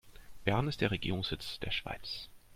Bern ist der Regierungssitz der Schweiz.